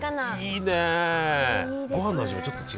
いいね。